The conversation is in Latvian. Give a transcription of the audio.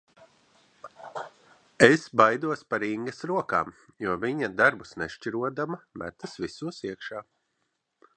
Es baidos par Ingas rokām, jo viņa darbus nešķirodama, metas visos iekšā.